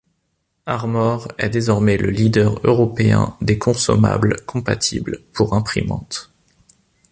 Armor est désormais le leader européen des consommables compatibles pour imprimantes.